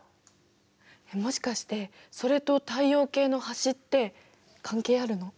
もしかしてそれと太陽系の端って関係あるの？